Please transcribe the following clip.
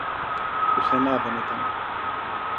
Πουθενά δεν ήταν